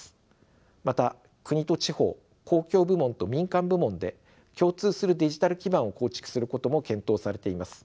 また国と地方公共部門と民間部門で共通するデジタル基盤を構築することも検討されています。